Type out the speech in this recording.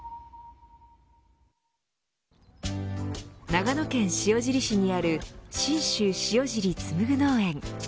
長野県塩尻市にある信州塩尻つむぐ農園。